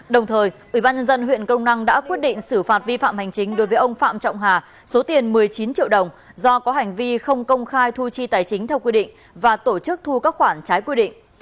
đồng thời ubnd huyện công năng đã quyết định xử phạt vi phạm hành chính đối với ông phạm trọng hà số tiền một mươi chín triệu đồng do có hành vi không công khai thu chi tài chính theo quy định và tổ chức thu các khoản trái quy định